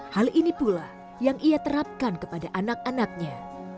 hal ini pula yang ia terapkan kepada anak anaknya